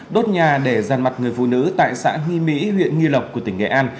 đốt nhà để gian mặt người phụ nữ tại xã hy mỹ huyện nghi lộc của tỉnh nghệ an